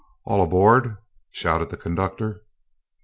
"All aboard," shouted the conductor.